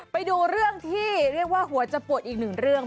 ไปดูเรื่องที่เรียกว่าหัวจะปวดอีกหนึ่งเรื่อง